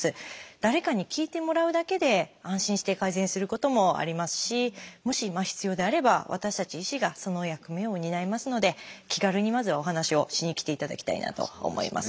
誰かに聞いてもらうだけで安心して改善することもありますしもし必要であれば私たち医師がその役目を担いますので気軽にまずはお話をしに来ていただきたいなと思います。